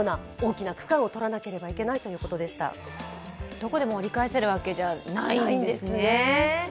どこでも折り返せるわけじゃないんですね。